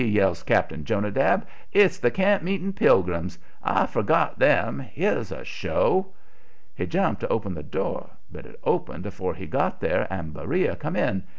yells Cap'n Jonadab; "it's the camp meeting pilgrims. I forgot them. Here's a show." He jumped to open the door, but it opened afore he got there and Beriah come in.